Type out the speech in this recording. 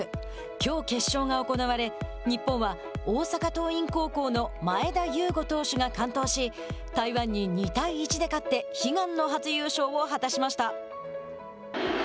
きょう決勝が行われ日本は大阪桐蔭高校の前田悠伍投手が完投し台湾に２対１で勝って悲願の初優勝を果たしました。